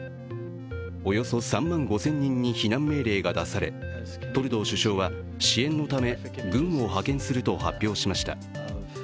およそ３万５０００人に避難命令が出されトルドー首相は支援のため、軍を派遣すると発表しました。